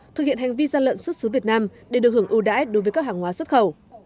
thực hiện hành vi gian lận xuất xứ việt nam để được hưởng ưu đãi đối với các hàng hóa xuất khẩu